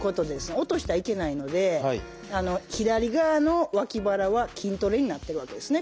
落としたらいけないので左側の脇腹は筋トレになってるわけですね